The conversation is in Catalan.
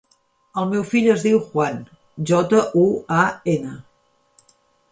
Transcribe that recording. El meu fill es diu Juan: jota, u, a, ena.